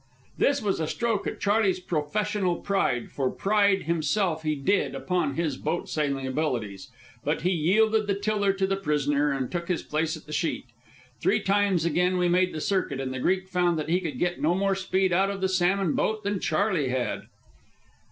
This was a stroke at Charley's professional pride, for pride himself he did upon his boat sailing abilities; but he yielded the tiller to the prisoner and took his place at the sheet. Three times again we made the circuit, and the Greek found that he could get no more speed out of the salmon boat than Charley had.